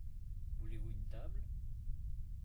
Voulez-vous une table ?